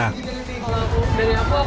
kalau aku dari aku aku di sana kayak belajar